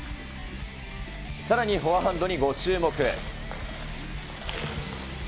さらにフォアハンドにご注目。